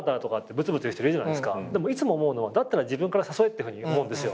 いつも思うのはだったら自分から誘えってふうに思うんですよ。